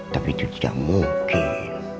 tapi itu tidak mungkin